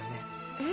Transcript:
え？